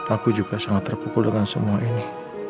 aku juga sangat terpukul dengan semua ini